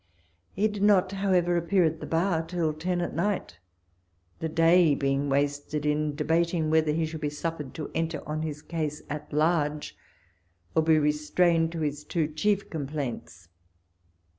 He did not, however, appear at the bar till ten at night, the day being wasted in de bating whether he should be suffered to enter on his case at large, or be restrained to his two chief complaints.